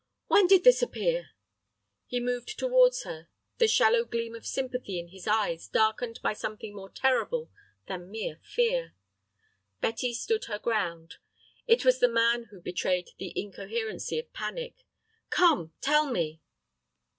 "When did this appear?" He moved towards her, the shallow gleam of sympathy in his eyes darkened by something more terrible than mere fear. Betty stood her ground. It was the man who betrayed the incoherency of panic. "Come, tell me."